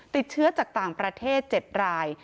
ติดเชื้อจากต่างประเทศ๗ราย